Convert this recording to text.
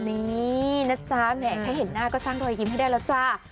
นี่นะจ๊ะแหมแค่เห็นหน้าก็สร้างรอยยิ้มให้ได้แล้วจ้า